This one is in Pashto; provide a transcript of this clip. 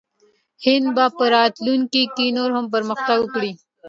هند به په راتلونکي کې نور هم پرمختګ وکړي.